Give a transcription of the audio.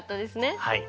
はい。